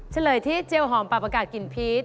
เฉลยที่เจหอมปรับอากาศ์กินพีช